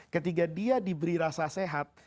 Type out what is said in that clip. ketika dia diberi rasa sehat